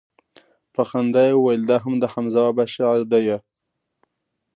په خندا يې وويل دا هم دحمزه بابا شعر دىه.